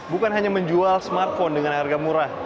bukan hanya menjual smartphone dengan harga murah